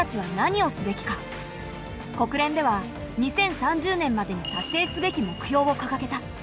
国連では２０３０年までに達成すべき目標をかかげた。